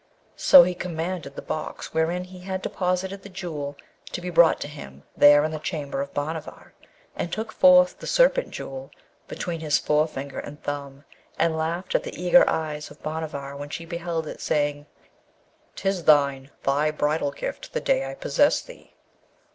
So he commanded the box wherein he had deposited the Jewel to be brought to him there in the chamber of Bhanavar, and took forth the Serpent Jewel between his forefinger and thumb, and laughed at the eager eyes of Bhanavar when she beheld it, saying, ''Tis thine! thy bridal gift the day I possess thee.'